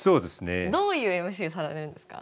どういうＭＣされるんですか？